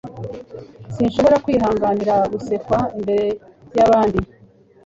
Sinshobora kwihanganira gusekwa imbere yabandi.